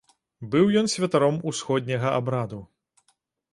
Быў ён святаром усходняга абраду.